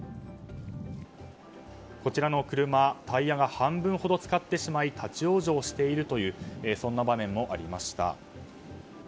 こちらの車タイヤが半分ほど浸かってしまい立ち往生しているというそんな場面もありました。